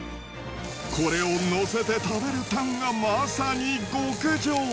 これをのせて食べるタンがまさに極上！